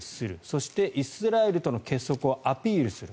そして、イスラエルとの結束をアピールする